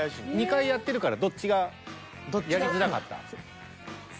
２回やってるからどっちがやりづらかった？